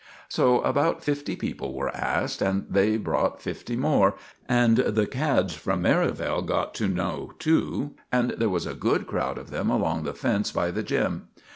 So about fifty people were asked, and they brought fifty more, and the cads from Merivale got to know too, and there was a good crowd of them along the fence by the gym.